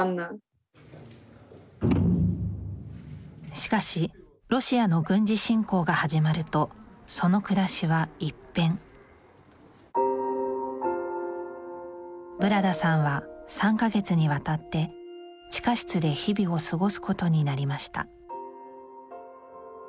しかしロシアの軍事侵攻が始まるとその暮らしは一変ブラダさんは３か月にわたって地下室で日々を過ごすことになりました